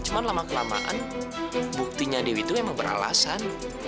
cuma lama kelamaan buktinya dewi itu emang beralasan